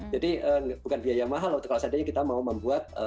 jadi bukan biaya mahal kalau saat ini kita mau membuat